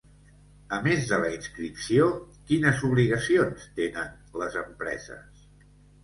A més de la inscripció, quines obligacions tenen les empreses?